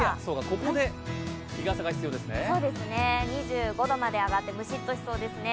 昼は２５度まで上がってむしっとしそうですね。